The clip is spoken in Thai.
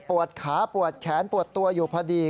ขาปวดแขนปวดตัวอยู่พอดี